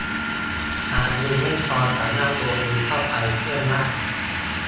หากเงินไม่พอสามารถโอนเงินเข้าไปเพิ่มได้